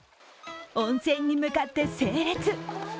温泉に向かって整列。